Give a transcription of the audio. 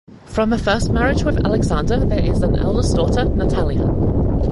From the first marriage with Alexander there is an eldest daughter Natalia.